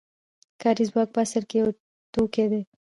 کاري ځواک په اصل کې یو توکی دی